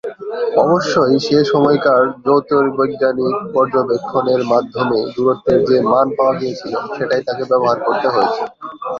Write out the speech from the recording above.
অবশ্যই সে সময়কার জ্যোতির্বৈজ্ঞানিক পর্যবেক্ষণের মাধ্যমে দূরত্বের যে মান পাওয়া গিয়েছিল সেটাই তাকে ব্যবহার করতে হয়েছে।